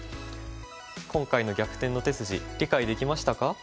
今回の「逆転の手筋」理解できましたか？